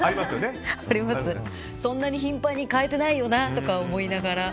そんなに頻繁に変えてないよなとか思いながら。